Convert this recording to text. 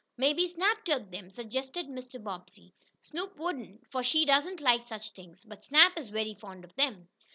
"Maybe Snap took them," suggested Mr. Bobbsey. "Snoop wouldn't, for she doesn't like such things. But Snap is very fond of them."